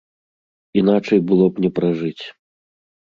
Іначай было б не пражыць.